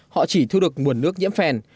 họ chỉ thu được nguồn nước nhiễm phèn